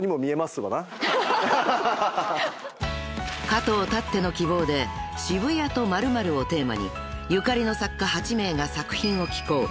［加藤たっての希望で「渋谷と○○」をテーマにゆかりの作家８名が作品を寄稿］